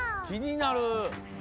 きになる！